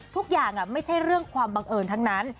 ทุกอย่างไม่ใช่เรื่องความบังเอิญทั้งนั้น